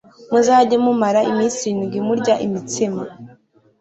muzajye mumara iminsi irindwi murya imitsima